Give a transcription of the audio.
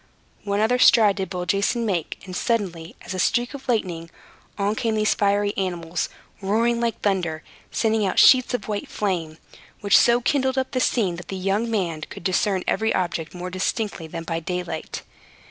One other stride did bold Jason make; and, suddenly as a streak of lightning, on came these fiery animals, roaring like thunder, and sending out sheets of white flame, which so kindled up the scene that the young man could discern every object more distinctly than by daylight.